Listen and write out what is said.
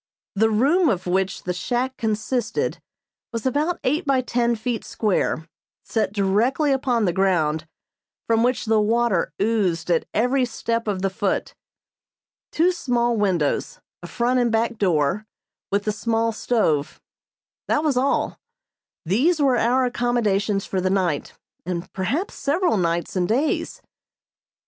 The room of which the shack consisted was about eight by ten feet square, set directly upon the ground, from which the water oozed at every step of the foot. Two small windows, a front and back door, with the small stove that was all. These were our accommodations for the night, and perhaps several nights and days.